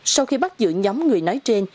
sau khi bắt giữ nhóm người nói trên